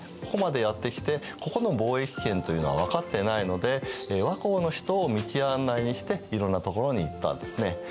ここまでやって来てここの貿易圏というのは分かってないので倭寇の人を道案内にしていろんな所に行ったんですね。